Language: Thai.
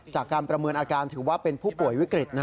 จากการประเมินอาการถือว่าเป็นผู้ป่วยวิกฤต